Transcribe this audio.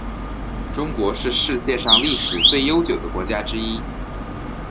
中国是世界上历史最悠久的国家之一。